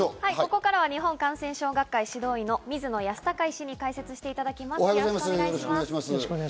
ここからは日本感染症学会・指導医の水野泰孝医師に解説していただきます。